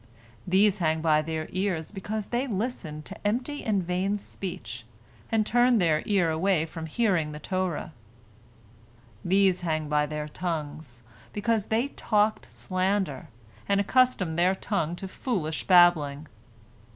These hang by their ears because they listened to empty and vain speech, and turned their ear away from hearing the Torah. These hang by their tongues, because they talked slander, and accustomed their tongue to foolish babbling.